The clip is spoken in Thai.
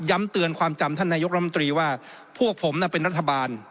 เตือนความจำท่านนายกรมตรีว่าพวกผมน่ะเป็นรัฐบาล